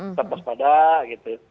tetap pas pada gitu